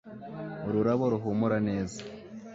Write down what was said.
Ururabo ruhumura neza